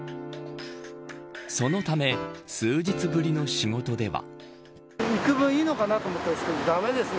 そのため数日ぶりの仕事では。